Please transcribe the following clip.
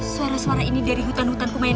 suara suara ini dari hutan hutan kumayan